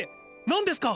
何ですか？